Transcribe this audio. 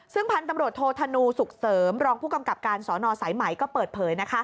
ซึ่งพันธุ์ตำรวจโทษธนูสุขเสริมรองผู้กำกับการสนสายไหมก็เปิดเผย